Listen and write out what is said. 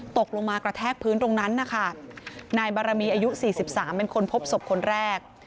ตกลงมากระแทกพื้นตรงนั้นนะคะนายบารมีอายุสี่สิบสามเป็นคนพบศพคนแรก